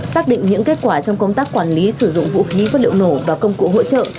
xác định những kết quả trong công tác quản lý sử dụng vũ khí vật liệu nổ và công cụ hỗ trợ